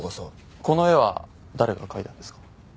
この絵は誰が描いたんですか？